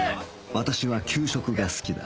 私は給食が好きだ